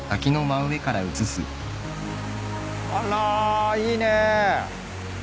あらいいね。